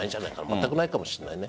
まったくないかもしれない。